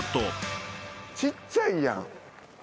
ちっちゃいやん。